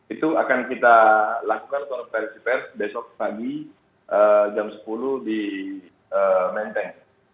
itu akan kita lakukan konferensi pers besok pagi jam sepuluh di menteng